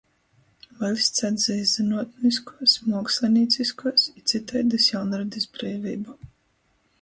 Vaļsts atzeist zynuotniskuos, muokslinīciskuos i cytaidys jaunradis breiveibu,